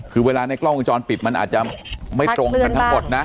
คือเวลาในกล้องวงจรปิดมันอาจจะไม่ตรงกันทั้งหมดนะ